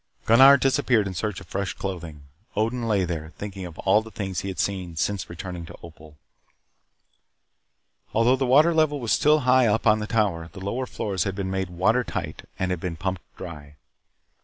Gunnar disappeared in search of fresh clothing. Odin lay there, thinking of all the things he had seen since returning to Opal. Although the water level was still high up on the Tower, the lower floors had been made water tight and had been pumped dry.